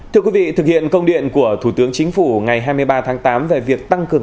thưa quý vị thực hiện công điện của thủ tướng chính phủ ngày hai mươi ba tháng tám về việc tăng cường